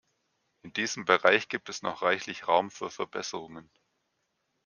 In diesem Bereich gibt es noch reichlich Raum für Verbesserungen.